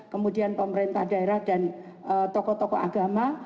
kemudian pemerintah daerah dan tokoh tokoh agama